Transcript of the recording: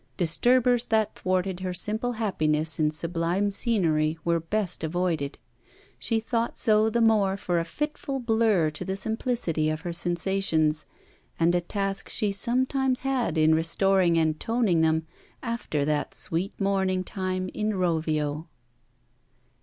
Disturbers that thwarted her simple happiness in sublime scenery were best avoided. She thought so the more for a fitful blur to the simplicity of her sensations, and a task she sometimes had in restoring and toning them, after that sweet morning time in Rovio.